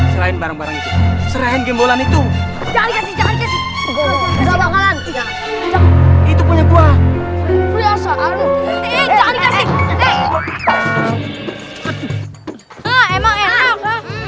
serahin barang barang itu serahin gembolan itu itu punya gua gua emang enak